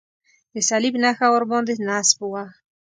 د صلیب نښه ورباندې نصب وه.